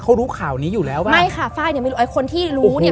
ข้อมูลเนี่ย